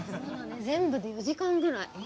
全部で４時間ぐらい。